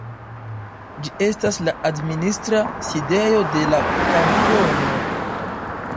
Ĝi estas la administra sidejo de la kantono.